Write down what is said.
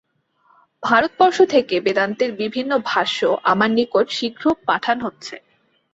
ভারতবর্ষ থেকে বেদান্তের বিভিন্ন ভাষ্য আমার নিকট শীঘ্র পাঠান হচ্ছে।